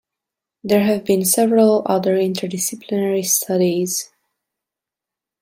There have been several other interdisciplinary studies.